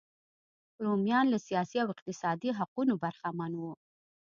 رومیان له سیاسي او اقتصادي حقونو برخمن وو.